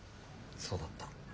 そうだった。